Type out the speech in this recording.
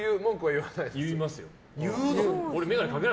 言いますよ。